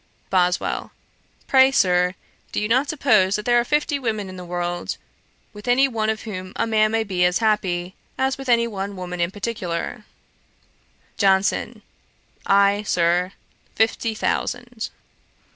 ' BOSWELL. 'Pray, Sir, do you not suppose that there are fifty women in the world, with any one of whom a man may be as happy, as with any one woman in particular.' JOHNSON. 'Ay, Sir, fifty thousand.'